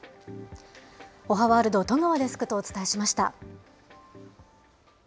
おはワールド、戸川デスクとお伝えしました。